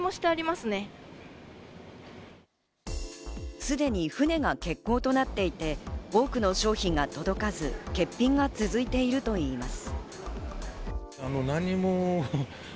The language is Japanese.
すでに船が欠航となっていて、多くの商品が届かず、欠品が続いているといいます。